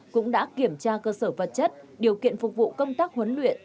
cũng đã kiểm tra cơ sở vật chất điều kiện phục vụ công tác huấn luyện